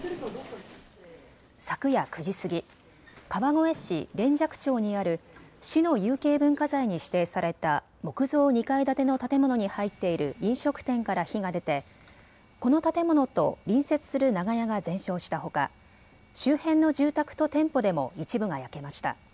昨夜９時過ぎ、川越市連雀町にある市の有形文化財に指定された木造２階建ての建物に入っている飲食店から火が出てこの建物と隣接する長屋が全焼した、ほか周辺の住宅と店舗でも一部が焼けました。